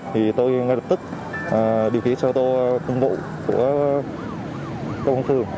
thì tôi ngay lập tức điều khiển xe ô tô công vụ của công an phường